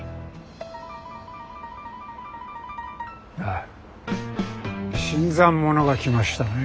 ああ新参者が来ましたね。